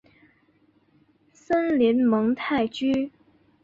森林蒙泰居。